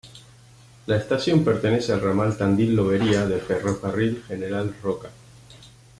La estación pertenece al ramal Tandil-Lobería del Ferrocarril General Roca.